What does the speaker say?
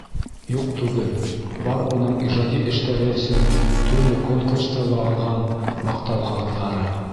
Юҡ түгел, бар уның ижади эштәре өсөн төрлө конкурстарҙа алған маҡтау ҡағыҙҙары.